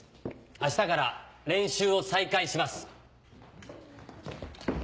あしたから練習を再開します。